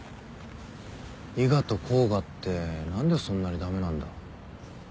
伊賀と甲賀って何でそんなに駄目なんだ？